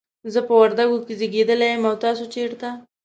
زه په وردګو کې زیږیدلی یم، او تاسو چیرته؟